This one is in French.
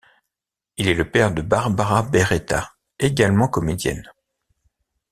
Il est le père de Barbara Beretta, également comédienne.